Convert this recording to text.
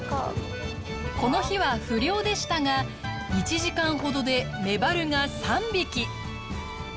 この日は不漁でしたが１時間ほどでメバルが３匹。